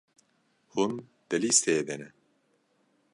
Hûn di lîsteyê de ne.